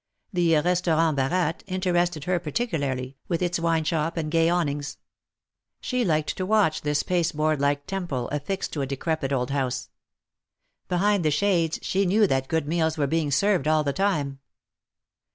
The Restaurant Baratte interested her particularly, with its wine shop and gay awnings. She liked to watch this pasteboard like temple affixed to a decrepid old house. Behind the shades she knew that good meals were being served all the time.